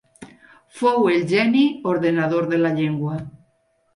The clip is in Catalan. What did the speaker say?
Fou el geni ordenador de la llengua.